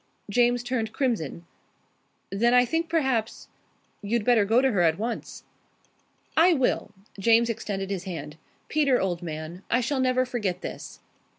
James turned crimson. "Then I think perhaps " "You'd better go to her at once." "I will." James extended his hand. "Peter, old man, I shall never forget this."